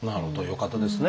よかったですね。